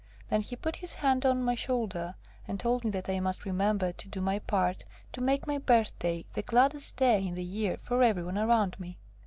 Then he put his hand on my shoulder, and told me that I must remember to do my part to make my birthday the gladdest day in the year for everyone around me.